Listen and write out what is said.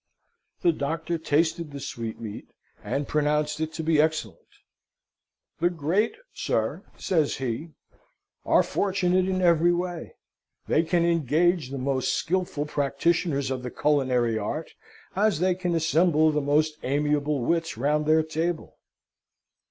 The Doctor tasted the sweetmeat, and pronounced it to be excellent. "The great, sir," says he, "are fortunate in every way. They can engage the most skilful practitioners of the culinary art, as they can assemble the most amiable wits round their table.